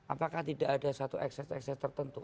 apakah tidak ada satu ekses ekses tertentu